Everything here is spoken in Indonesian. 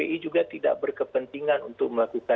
jadi kpi juga tidak berkepentingan untuk melakukan intervensi